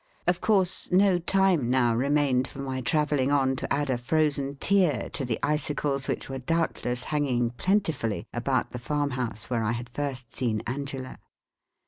Of course, no time now remained for my travelling on to add a frozen tear to the icicles which were doubtless hanging plentifully about the farmhouse where I had first seen Angela.